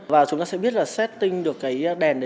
và chúng ta sẽ biết là setting được cái đèn